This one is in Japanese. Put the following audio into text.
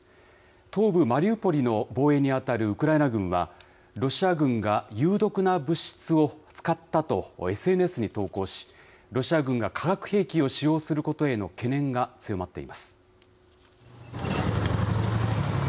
東部マリウポリの防衛に当たるウクライナ軍は、ロシア軍が有毒な物質を使ったとＳＮＳに投稿し、ロシア軍が化学兵器を使用することへの懸念が強まっています。